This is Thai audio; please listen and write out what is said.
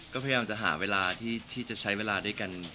ก็พยายามจะหาเวลาที่จะใช้เวลาด้วยกัน